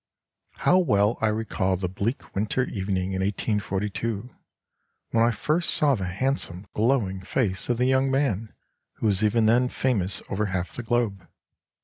] "How well I recall the bleak winter evening in 1842 when I first saw the handsome, glowing face of the young man who was even then famous over half the globe!